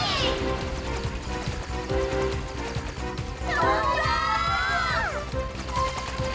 とんだ！